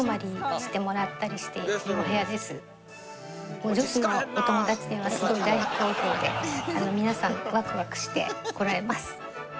もう女子のお友達にはすごい大好評で皆さんわくわくして来られます。